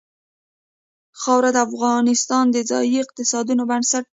خاوره د افغانستان د ځایي اقتصادونو بنسټ دی.